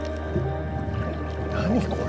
何これ？